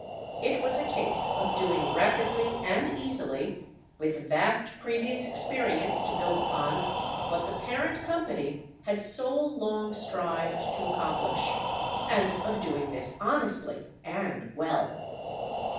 It was a case of doing rapidly and easily, with vast previous experience to build upon, what the parent company had so long strived to accomplish, and of doing this honestly and well.